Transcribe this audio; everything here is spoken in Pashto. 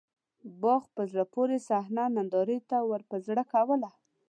باغ په زړه پورې صحنه نندارې ته ورپه زړه کوله.